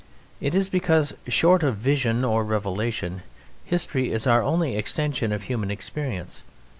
It is because, short of vision or revelation, history is our only extension of human experience.